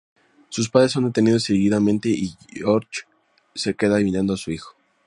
Sus padres son detenidos seguidamente y Georg se queda mirando a su hijo.